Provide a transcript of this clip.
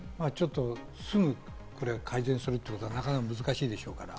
すぐこれは改善するということはなかなか難しいでしょうから。